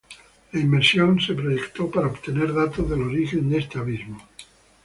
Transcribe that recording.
La inmersión se proyectó para obtener datos del origen de este abismo.